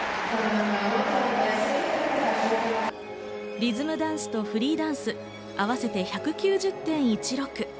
リズムダンスとフリーダンス合わせて１９０．１６。